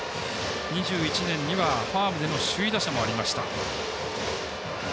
２１年にはファームでの首位打者もありました。